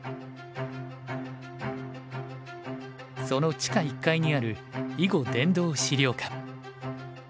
その地下１階にある囲碁殿堂資料館。